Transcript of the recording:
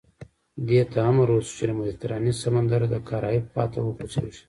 دې ته امر وشو چې له مدیترانې سمندره د کارائیب خوا ته وخوځېږي.